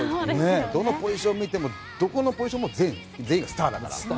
どのポジション見てもどこのポジションも全員がスターだから。